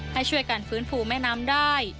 ให้ช่วยกันฟื้นฟูแม่น้ำได้